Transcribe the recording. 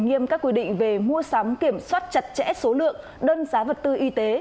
nghiêm các quy định về mua sắm kiểm soát chặt chẽ số lượng đơn giá vật tư y tế